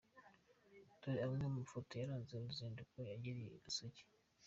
Dore amwe mu mafoto yaranze uruzinduko yagiriye ku gisozi:.